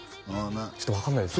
ちょっと分かんないです